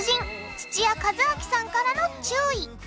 土屋一昭さんからの注意！